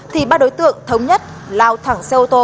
thì ba đối tượng thống nhất lao thẳng xe ô tô